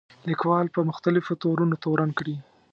لیکوال په مختلفو تورونو تورن کړي.